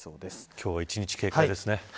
今日は１日警戒ですね。